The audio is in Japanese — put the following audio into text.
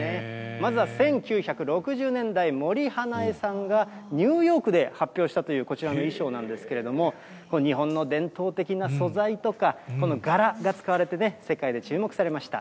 まずは１９６０年代、森英恵さんがニューヨークで発表したというこちらの衣装なんですけれども、日本の伝統的な素材とか、この柄が使われてね、世界で注目されました。